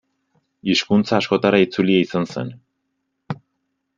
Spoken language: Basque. Hizkuntza askotara itzulia izan zen.